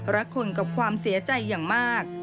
รักคนกับความเสียใจอย่างมาก